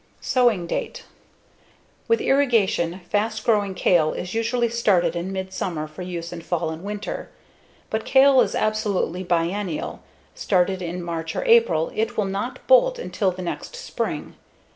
Sowing date: With irrigation, fast growing kale is usually started in midsummer for use in fall and winter. But kale is absolutely biennial started in March or April, it will not bolt until the next spring.